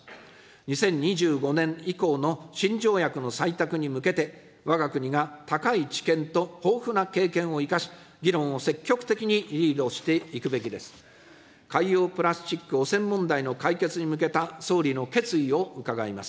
２０２５年以降の新条約の採択に向けて、わが国が高い知見と豊富な経験を生かし、議論を積極的にリードしていくべきです。